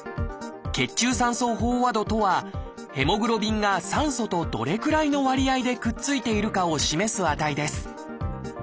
「血中酸素飽和度」とはヘモグロビンが酸素とどれくらいの割合でくっついているかを示す値です。